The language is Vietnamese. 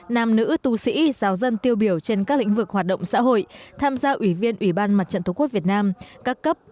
nam nữ tu sĩ giáo dân tiêu biểu trên các lĩnh vực hoạt động xã hội tham gia ủy viên ủy ban mặt trận tổ quốc việt nam các cấp